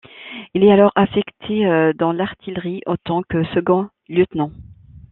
Il est alors affecté dans l'artillerie en tant que second lieutenant.